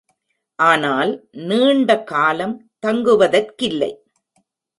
ஆனால், நீண்ட காலம் தங்குவதற்கில்லை.